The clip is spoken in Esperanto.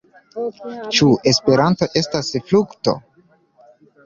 Ĉu Esperanto estas frukto?